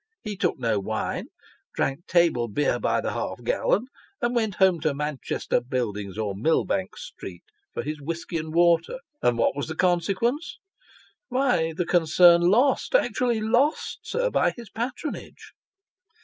He took no wine ; drank table beer by the half gallon ; and went home to Manchester Buildings, or Mill bank Street, for his whiskey and water. And what was the con sequence ? Why the concern lost actually lost, sir by his patronage.